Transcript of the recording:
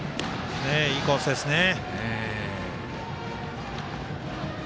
いいコースですね。